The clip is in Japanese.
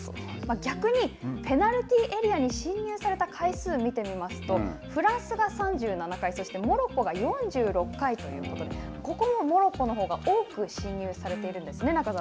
逆に、ペナルティーエリアに進入された回数を見てみますと、フランスが３７回そしてモロッコが４６回ということで、ここもモロッコのほうが多く進入されているんですね中澤